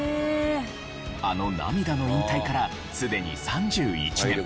あの涙の引退からすでに３１年。